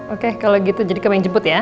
oke kalau gitu jadi kamu yang jemput ya